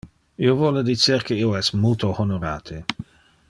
Io vole dicer que io es multo honorate.